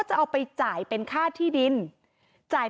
และมีการเก็บเงินรายเดือนจริง